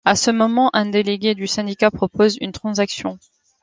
À ce moment un délégué du syndicat propose une transaction.